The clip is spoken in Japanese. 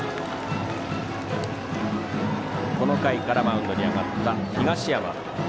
この回からマウンドに上がった東山。